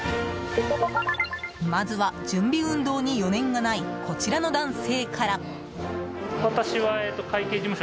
まずは、準備運動に余念がないこちらの男性から。